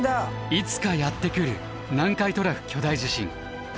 いつかやって来る南海トラフ巨大地震。